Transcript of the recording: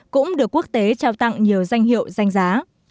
cũng được quốc tế trao tặng nhiều danh hiệu danh giá